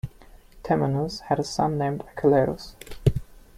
Temenus had a son named Archelaus.